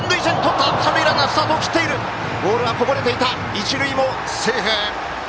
一塁、セーフ。